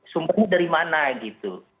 sumpahnya dari mana gitu